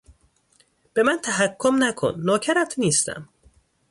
به من تحکم نکن، نوکرت نیستم!